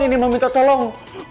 ini mau minta tolong